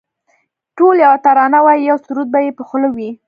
ټول یوه ترانه وایی یو سرود به یې په خوله وي